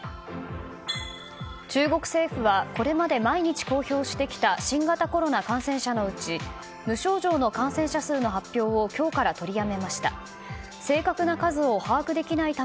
中国政府はこれまで毎日公表してきた新型コロナ感染者のうち無症状の感染者数の発表を今日から取りやめました。